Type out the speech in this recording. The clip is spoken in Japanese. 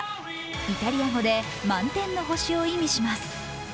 イタリア語で満天の星を意味します。